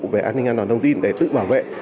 về an ninh an toàn thông tin để tự bảo vệ